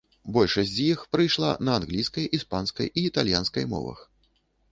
Большасць з іх прыйшла на англійскай, іспанскай і італьянскай мовах.